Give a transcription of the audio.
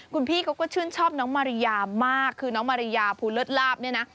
คุณพี่เขาก็ชื่นชอบน้องมาริยามากคือน้องมาริยาภูเลิศลาบเนี่ยนะ